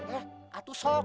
eh atuh sok